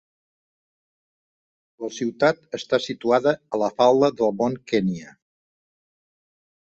La ciutat està situada a la falda del mont Kenya.